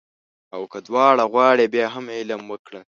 او که دواړه غواړې بیا هم علم وکړه